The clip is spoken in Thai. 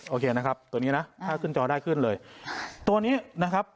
โอเคนะครับตัวนี้นะถ้าขึ้นจอได้ขึ้นเลยตัวนี้นะครับ